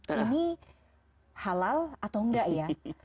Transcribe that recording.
ini halal atau enggak ya